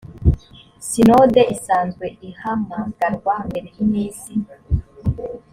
sinode isanzwe ihamagarwa mbere y iminsi